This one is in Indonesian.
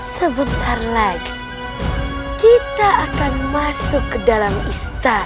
sebentar lagi kita akan masuk ke dalam istana